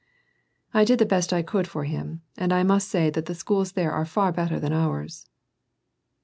'^ I did the best I could for him, and I must say that the schools there are far better than ours."